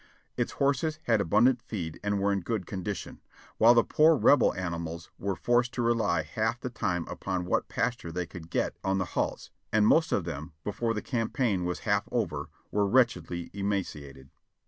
Its horses had abundant feed and were in good condi tion, while the poor Rebel animals were forced to rely half the time upon what little pasture they could get on the halts, and The; battle of the wilderness 533 most of them, before the campaign was half over, were wretch edly emaciated.